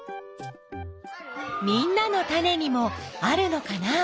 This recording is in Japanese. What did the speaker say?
みんなのタネにもあるのかな？